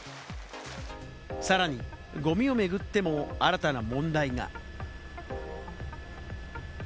さらにゴミを巡っても新たな問題が。